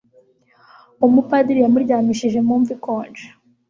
umupadiri yamuryamishije mu mva ikonje